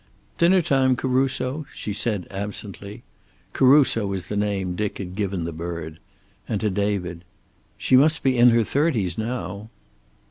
"Dinner time, Caruso," she said absently. Caruso was the name Dick had given the bird. And to David: "She must be in her thirties now."